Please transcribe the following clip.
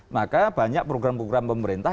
maka banyak program program pemerintah